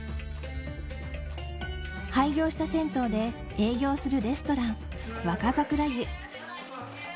廃業した銭湯で営業するレストラン・若桜湯。